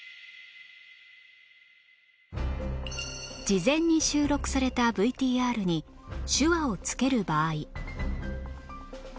事前に収録された ＶＴＲ に手話をつける場合